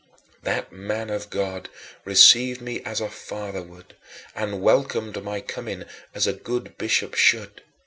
That man of God received me as a father would, and welcomed my coming as a good bishop should.